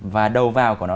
và đầu vào của nó